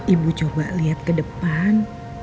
ibu coba lihat ke depan